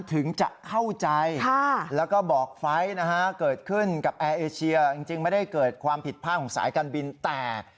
ถึงจะเข้าใจแล้วก็บอกไฟล์นะฮะเกิดขึ้นกับแอร์เอเชียจริงไม่ได้เกิดความผิดพลาดของสายการบินแต่